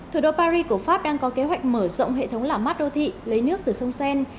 thủ đô paris của pháp đang có kế hoạch mở rộng hệ thống làm mát đô thị lấy nước từ sông sein